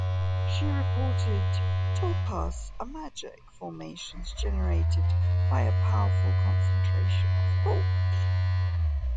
She reported tulpas are magic formations generated by a powerful concentration of thought.